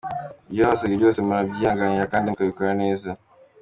Ibyo babasabye byose murabyihanganira kandi mukabikora neza.